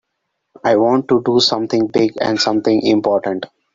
I want to do something big and something important.